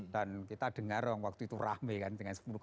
dan kita dengar waktu itu rame kan dengan sebagainya